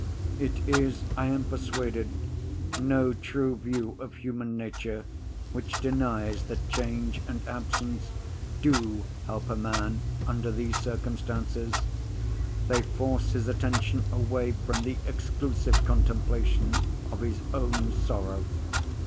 It is, I am persuaded, no true view of human nature which denies that change and absence do help a man under these circumstances; they force his attention away from the exclusive contemplation of his own sorrow.